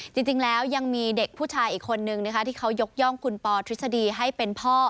จริงแล้วยังมีเด็กผู้ชายอีกคนนึงนะคะที่เขายกย่องคุณปอทฤษฎีให้เป็นพ่อ